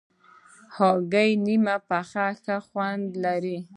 هګۍ نیم پخه ښه خوند لري.